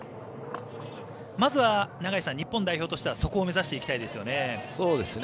まずは永井さん日本代表としてはそこを目指していきたいですよね。